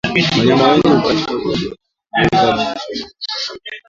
Wanyama wengi hupata ugonjwa wanapopelekwa malishoni maeneo yenye miiba